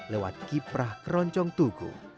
lewat kiprah keroncong tugu